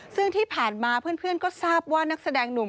ซึ่งที่ผ่านมาเพื่อนก็ทราบว่านักแสดงหนุ่ม